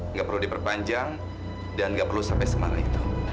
nggak perlu diperpanjang dan nggak perlu sampai semarah itu